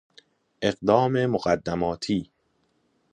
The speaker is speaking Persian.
اقدام مقدماتی